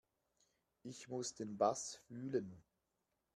Ich muss den Bass fühlen.